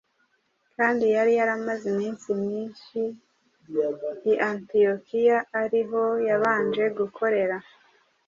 kandi yari yaramaze iminsi myinshi i Antiyokiya ari ho yabanje gukorera.